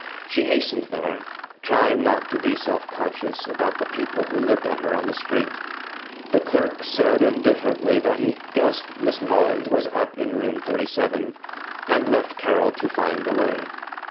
She hastened there, trying not to be self conscious about the people who looked at her on the street. The clerk said indifferently that he "guessed" Miss Mullins was up in Room 37, and left Carol to find the way.